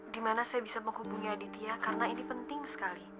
dimana saya bisa menghubungi aditya karena ini penting sekali